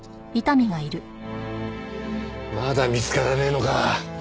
まだ見つからねえのか？